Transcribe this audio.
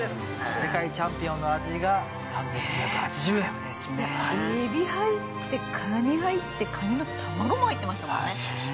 世界チャンピオンの味がエビ入って蟹入って蟹の卵も入ってましたもんね。ねぇ。